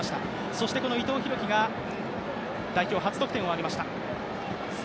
そしてこの伊藤洋輝が代表初得点を挙げました。